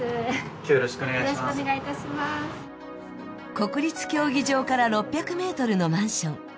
国立競技場から６００ｍのマンション。